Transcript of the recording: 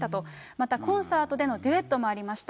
またコンサートでのデュエットもありました。